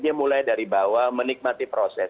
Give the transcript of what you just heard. dia mulai dari bawah menikmati proses